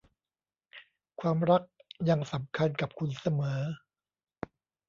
ความรักยังสำคัญกับคุณเสมอ